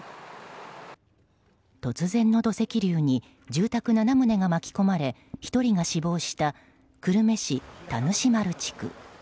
突然の土石流に住宅７棟が巻き込まれ１人が死亡した久留米市田主丸町。